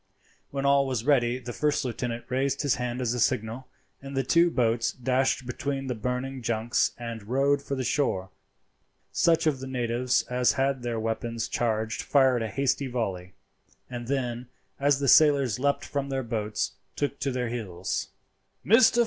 When all was ready the first lieutenant raised his hand as a signal, and the two boats dashed between the burning junks and rowed for the shore. Such of the natives as had their weapons charged fired a hasty volley, and then, as the sailors leapt from their boats, took to their heels. "Mr.